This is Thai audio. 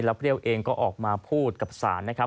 แล้วพระเรียวเองก็ออกมาพูดกับศาลนะครับ